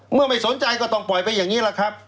เมื่อไม่สนใจก็ต้องปล่อยไปอย่างนี้แหละครับ